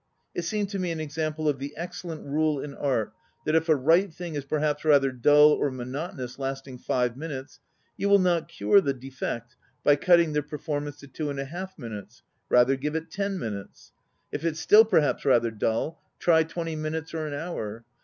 It seemed to me an example of the excellent rule in art that, if a right thing is perhaps rather dull or monotonous lasting five minutes, you will not cure the defect by cutting the performance to two and a half minutes; rather it ten minutes. If it's still perhaps rather dull, try twenty minutes or an hour.